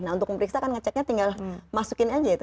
nah untuk memeriksa kan nge checknya tinggal masukin aja gitu